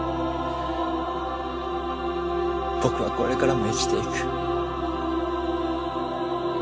僕はこれからも生きていく。